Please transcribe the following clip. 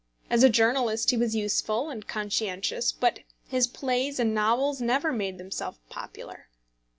As a journalist he was useful and conscientious, but his plays and novels never made themselves popular.